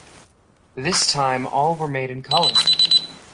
This time all were made in colour.